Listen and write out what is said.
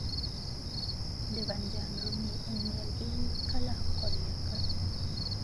د بانجان رومي نیالګي کله قوریه کړم؟